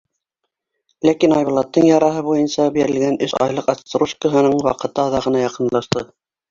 Ләкин Айбулаттың яраһы буйынса бирелгән өс айлыҡ отсрочкаһының ваҡыты аҙағына яҡынлашты.